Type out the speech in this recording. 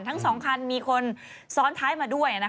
ทั้ง๒คันมีคนซ้อนท้ายมาด้วย